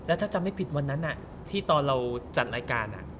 แล้วถ้าจะไม่ผิดวันนั้นอ่ะที่ตอนเราจัดรายการอ่ะ